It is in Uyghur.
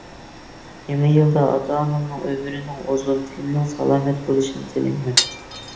يېڭى يىلدا ئاتا-ئانامنىڭ ئۆمرىنىڭ ئۇزۇن، تېنىنىڭ سالامەت بولۇشىنى تىلەيمەن.